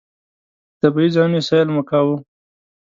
د طبعي ځایونو سیل مو کاوه.